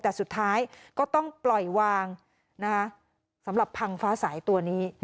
แต่สุดท้ายก็ต้องปล่อยวางนะคะสำหรับพังฟ้าสายตัวนี้